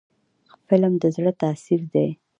فلم د زړه تاثیر دی